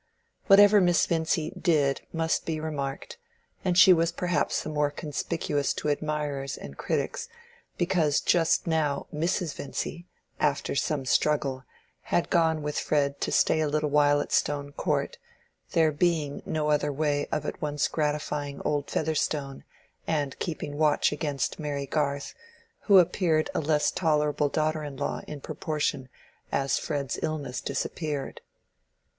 Whatever Miss Vincy did must be remarked, and she was perhaps the more conspicuous to admirers and critics because just now Mrs. Vincy, after some struggle, had gone with Fred to stay a little while at Stone Court, there being no other way of at once gratifying old Featherstone and keeping watch against Mary Garth, who appeared a less tolerable daughter in law in proportion as Fred's illness disappeared.